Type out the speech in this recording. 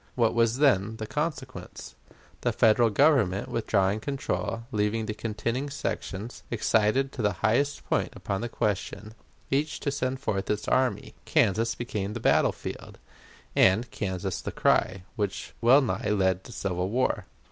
What was then the consequence? The Federal Government withdrawing control, leaving the contending sections, excited to the highest point upon this question, each to send forth its army, Kansas became the battle field, and Kansas the cry, which wellnigh led to civil war.